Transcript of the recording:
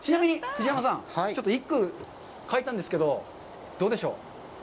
藤山さん、ちょっと一句書いたんですけど、どうでしょう？